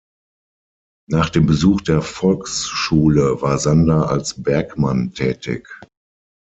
Nach dem Besuch der Volksschule war Sander als Bergmann tätig.